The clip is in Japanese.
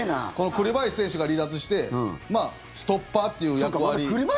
栗林選手が離脱してストッパーという役割。